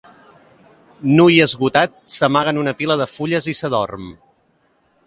Nu i esgotat, s'amaga en una pila de fulles i s'adorm.